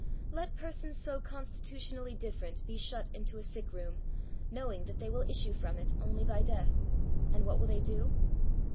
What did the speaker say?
Let persons so constitutionally different be shut into a sick room, knowing that they will issue from it only by desAk, and what will they do